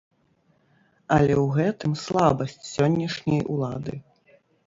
Але ў гэтым слабасць сённяшняй улады.